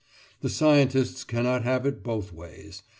The scientists cannot have it both ways.